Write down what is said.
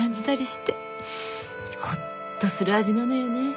ほっとする味なのよね。